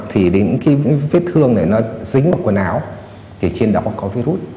thì đến cái vết thương này nó dính một quần áo thì trên đó có virus